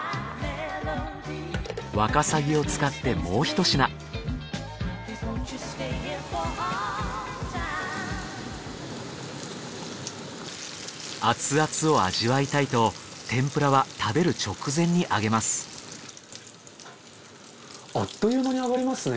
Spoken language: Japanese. ワカサギを使ってもうひと品アツアツを味わいたいと天ぷらは食べる直前に揚げますあっという間に揚がりますね。